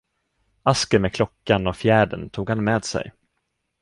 Asken med klockan och fjädern tog han med sig.